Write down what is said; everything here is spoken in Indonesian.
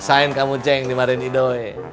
rasain kamu ceng dimarin idow